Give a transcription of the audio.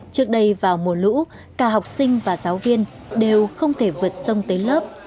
trước đây vào mùa lũ cả học sinh và giáo viên đều không thể vượt sông tới lớp